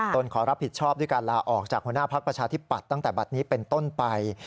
ขอรับผิดชอบด้วยการลาออกจากหัวหน้าพักประชาธิปัตย์ตั้งแต่บัตรนี้เป็นต้นไป